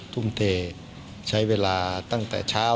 ทุ่มเทใช้เวลาตั้งแต่เช้า